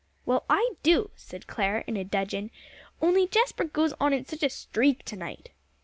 "Well, I do," said Clare, in a dudgeon, "only Jasper goes on in such a streak to night."